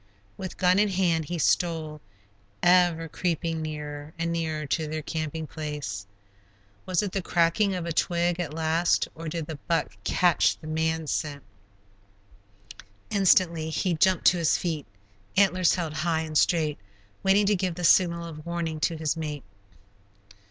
With gun in hand he stole, ever creeping nearer and nearer to their camping place. Was it the cracking of a twig at last, or did the buck catch the man scent? Instantly he jumped to his feet, antlers held high and straight, waiting to give the signal of warning to his mate.